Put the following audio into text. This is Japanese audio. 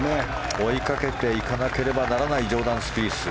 追いかけていかなければならないジョーダン・スピース。